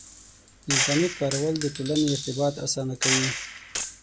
د انټرنیټ کارول د ټولنې ارتباط اسانه کوي.